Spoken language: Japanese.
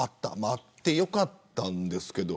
あってよかったんですけど。